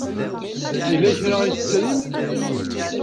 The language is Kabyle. Yella kra ay tesrim?